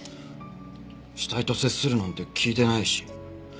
死体と接するなんて聞いてないし。